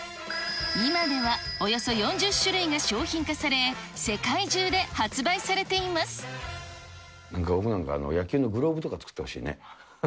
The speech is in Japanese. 今ではおよそ４０種類が商品化され、なんか僕なんか、野球のグローブとか作ってほしいね。